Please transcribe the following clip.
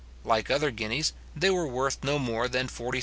Like other guineas, they were worth no more than £46:14:6.